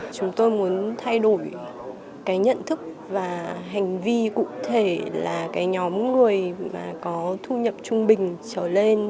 chúng tôi muốn thay đổi cái nhận thức và hành vi cụ thể là cái nhóm người mà có thu nhập trung bình trở lên